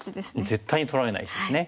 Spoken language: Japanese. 絶対に取られないですね。